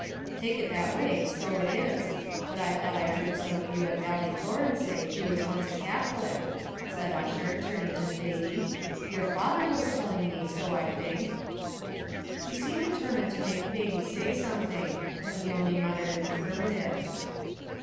"Take it that way, so it is; but I thought I heard some of you at Ballycloran say he was once a Catholic," said Ussher turning to Thady; "your father was telling me so I think." He seemed determined to make Thady say something, but he only muttered an affirmative.